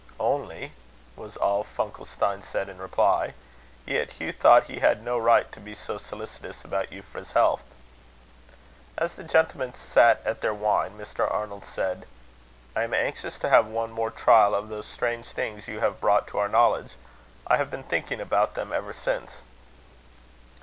"Only?" was all Funkelstein said in reply; yet Hugh thought he had no right to be so solicitous about Euphra's health. As the gentlemen sat at their wine, Mr. Arnold said: "I am anxious to have one more trial of those strange things you have brought to our knowledge. I have been thinking about them ever since."